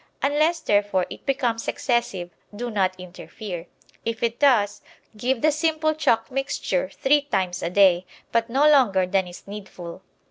Unless, therefore, it becomes excessive, do not interfere; if it does, give the simple chalk mixture three times a day, but no longer than is needful.